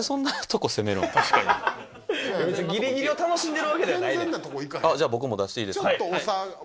別にギリギリを楽しんでるわけではないねんあっじゃあ僕も出していいですか？